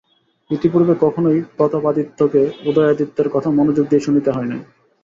ইতিপূর্বে কখনোই প্রতাপাদিত্যকে উদয়াদিত্যের কথা মনোযোগ দিয়া শুনিতে হয় নাই।